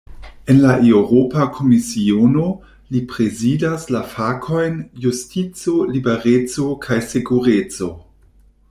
En la Eŭropa Komisiono, li prezidas la fakojn "justico, libereco kaj sekureco".